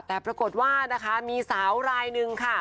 แต่ปรากฏว่ามีสาวลายนึง